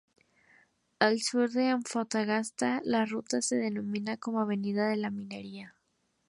Al sur de Antofagasta la ruta se denomina como Avenida de la Minería.